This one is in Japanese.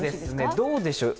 どうでしょう？